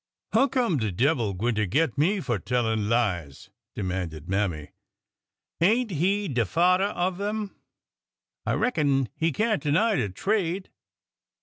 " Huccome de devil gwineter git me fur tellin' lies ?" demanded Mammy. Ain't he de father of 'em ? I reckon he can't deny de trade